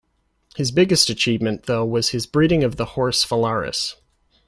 His biggest achievement though was his breeding of the horse Phalaris.